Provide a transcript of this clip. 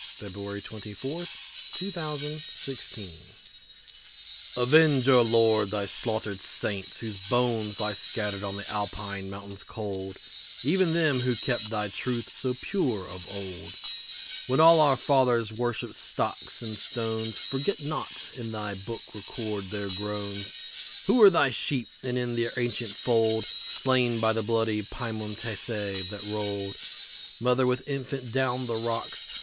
1909–14. 312 On the Late Massacre in Piemont AVENGE, O Lord, thy slaughtered Saints, whose bonesLie scattered on the Alpine mountains cold; Even them who kept thy truth so pure of old, When all our fathers worshiped stocks and stones, Forget not: in thy book record their groansWho were thy sheep, and in their ancient foldSlain by the bloody Piemontese, that rolledMother with infant down the rocks.